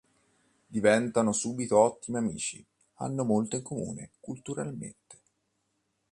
Diventano subito ottimi amici, hanno molto in comune culturalmente.